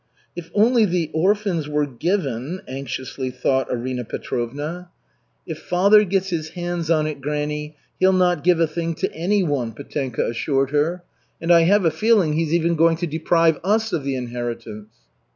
"If only the orphans were given " anxiously thought Arina Petrovna. "If father gets his hands on it, granny, he'll not give a thing to anyone," Petenka assured her. "And I have a feeling he's even going to deprive us of the inheritance."